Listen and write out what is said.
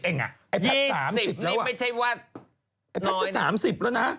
๒๐เองอะไอ้พัทสามสิบแล้วไอ้พัทจะ๓๐แล้วนะ